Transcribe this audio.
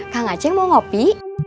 kang aceh mau kopi